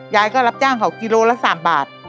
ยายก็รับจ้างเค้ากิโลคลักษณ์ละ๓บาท